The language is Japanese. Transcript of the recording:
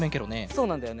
そうなんだよね。